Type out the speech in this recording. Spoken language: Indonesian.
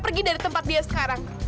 pergi dari tempat dia sekarang